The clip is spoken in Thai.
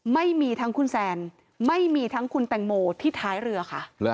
ไม่มีทั้งคุณแซนไม่มีทั้งคุณแตงโมที่ท้ายเรือค่ะ